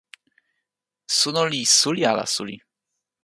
suno li suli ala suli?